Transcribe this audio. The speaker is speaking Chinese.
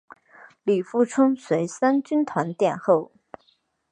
李富春随三军团殿后。